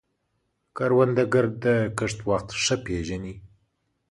کروندګر د کښت وخت ښه پېژني